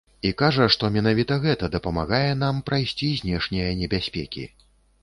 І кажа, што менавіта гэта дапамагае нам прайсці знешнія небяспекі.